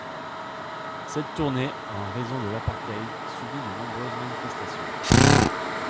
Cette tournée, en raison de l'apartheid, subit de nombreuses manifestations.